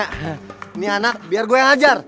ini anak biar gue yang hajar